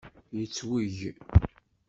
Yettweg!